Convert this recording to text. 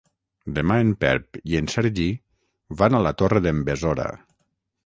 Demà en Pep i en Sergi van a la Torre d'en Besora.